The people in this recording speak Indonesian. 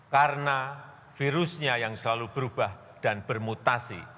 karena virusnya yang selalu berubah dan bermutasi